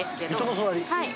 はい。